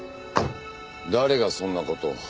誰がそんな事を。